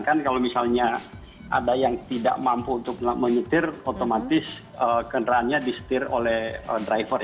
kan kalau misalnya ada yang tidak mampu untuk menyetir otomatis kendaraannya disetir oleh driver